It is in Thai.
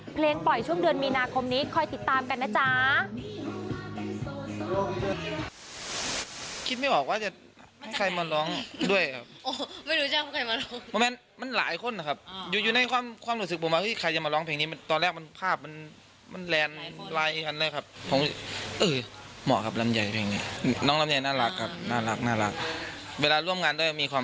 ปล่อยช่วงเดือนมีนาคมนี้คอยติดตามกันนะจ๊ะ